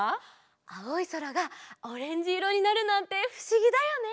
あおいそらがオレンジいろになるなんてふしぎだよね！